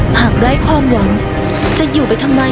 หากได้ความหวังจะอยู่ไปทำไม